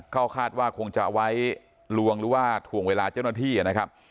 เขาคาดว่าคงจะเอาไว้ลวงหรือว่าถ่วงเวลาเจ้าหน้าที่นะครับ